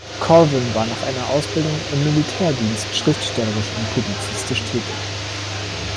Corvin war nach einer Ausbildung im Militärdienst schriftstellerisch und publizistisch tätig.